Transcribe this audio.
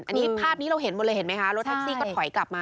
อันนี้ภาพนี้เราเห็นหมดเลยเห็นไหมคะรถแท็กซี่ก็ถอยกลับมา